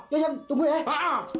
ya tunggu ya